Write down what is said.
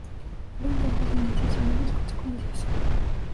Veinte años de indecisión y sus consecuencias